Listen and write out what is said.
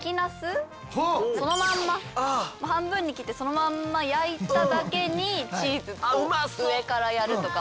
そのまんま半分に切ってそのまんま焼いただけにチーズを上からやるとか。